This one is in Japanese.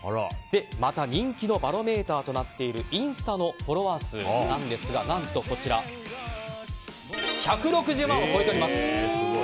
また、人気のバロメーターとなっているインスタのフォロワー数ですが何と１６０万を超えております。